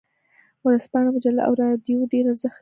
ورځپاڼه، مجله او رادیو ډیر ارزښت لري.